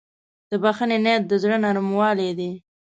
د بښنې نیت د زړه نرموالی دی.